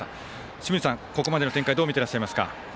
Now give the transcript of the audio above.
清水さん、ここまでの展開どう見ていらっしゃいますか。